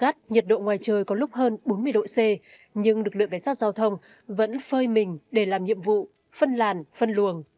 thật đẹp thật nhân văn